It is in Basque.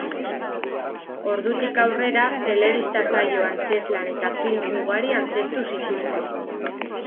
Ordutik aurrera, telebista saio, antzezlan eta film ugari antzeztu zituzten.